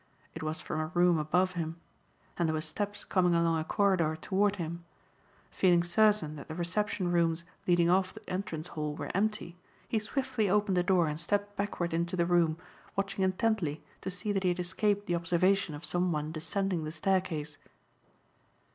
It was from a room above him. And there were steps coming along a corridor toward him. Feeling certain that the reception rooms leading off the entrance hall were empty, he swiftly opened a door and stepped backward into the room, watching intently to see that he had escaped the observation of some one descending the staircase.